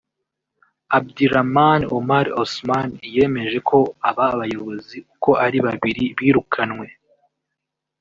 Abdirahman Omar Osman yemeje ko aba bayobozi uko ari babiri birukanwe